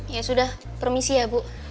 ya sudah permisi ya bu